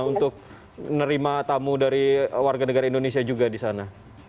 untuk nerima tamu dari warga negara indonesia juga di sana